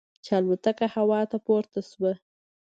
چې الوتکه هوا ته پورته شوه.